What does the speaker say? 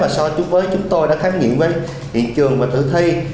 đối với chúng tôi đã khám nghiệm với hiện trường và thử thi